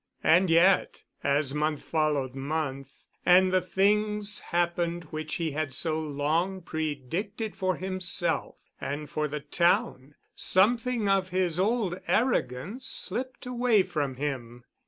And yet, as month followed month and the things happened which he had so long predicted for himself and for the town, something of his old arrogance slipped away from him.